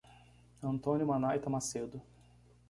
Antônio Manaita Macedo